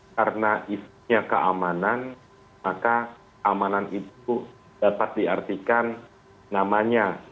karena isinya keamanan maka keamanan itu dapat diartikan namanya